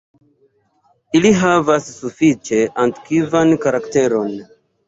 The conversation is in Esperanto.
Ili havas sufiĉe antikvan karakteron.